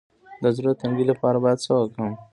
د زړه د تنګي لپاره باید څه وکړم؟